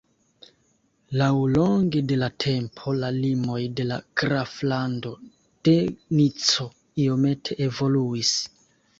Laŭlonge de la tempo, la limoj de la graflando de Nico iomete evoluis.